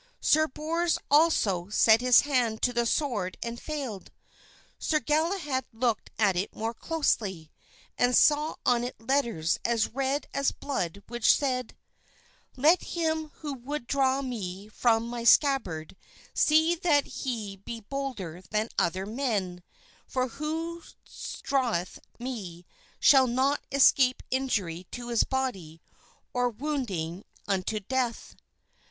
Sir Bors also set his hand to the sword and failed. Sir Galahad looked at it more closely, and saw on it letters as red as blood which said: "Let him who would draw me from my scabbard see that he be bolder than other men, for whoso draweth me shall not escape injury to his body, or wounding unto death."